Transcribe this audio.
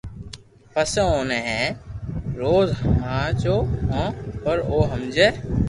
پسي اوني ھين روز ھماجو ھون پر او ھمجي